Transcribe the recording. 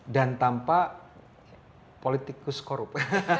dan tanpa politikus korup